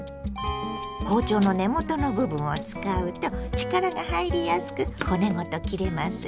包丁の根元の部分を使うと力が入りやすく骨ごと切れますよ。